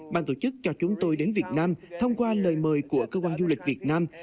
ban tổ chức cho chúng tôi đến việt nam thông qua lời mời của cơ quan du lịch việt nam